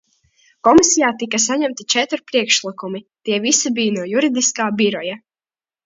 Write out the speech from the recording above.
Komisijā tika saņemti četri priekšlikumi, tie visi bija no Juridiskā biroja.